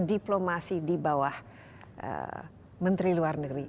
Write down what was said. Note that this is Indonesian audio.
diplomasi di bawah menteri luar negeri